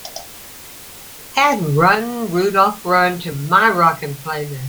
add Run Rudolph Run to my rockin' playlist